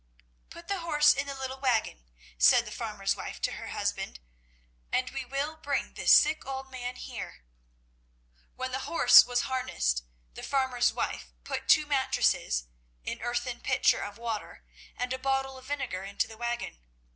"Put the horse in the little waggon," said the farmer's wife to her husband, "and we will bring this sick old man here." When the horse was harnessed the farmer's wife put two mattresses, an earthen pitcher of water, and a bottle of vinegar into the waggon.